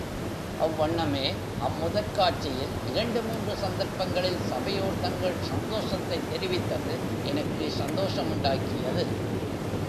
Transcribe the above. அவ்வண்ணமே, அம் முதற் காட்சியில் இரண்டு மூன்று சந்தர்ப்பங்களில் சபையோர் தங்கள் சந்தோஷத்தைத் தெரிவித்தது, எனக்கு சந்தோஷமுண்டாக்கியது.